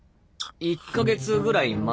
１か月ぐらい前？